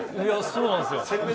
そうなんですよ。